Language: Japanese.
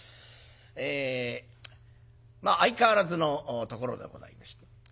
えまあ相変わらずのところでございまして。